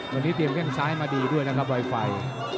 วันนี้เตรียมแข้งซ้ายมาดีด้วยนะครับไวไฟ